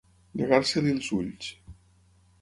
Negar-se-li els ulls.